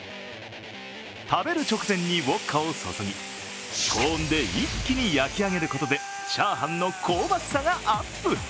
食べる直前にウオッカを注ぎ、高温で一気に焼き上げることでチャーハンの香ばしさがアップ。